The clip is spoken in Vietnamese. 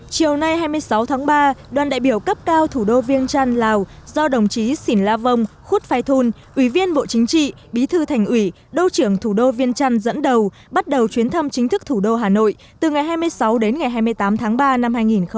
chiều nay hai mươi sáu tháng ba đoàn đại biểu cấp cao thủ đô viêng trăn lào do đồng chí xỉn la vong khuất phai thun ủy viên bộ chính trị bí thư thành ủy đô trưởng thủ đô viên trăn dẫn đầu bắt đầu chuyến thăm chính thức thủ đô hà nội từ ngày hai mươi sáu đến ngày hai mươi tám tháng ba năm hai nghìn hai mươi